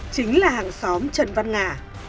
chính là hàng xóm trần văn ngà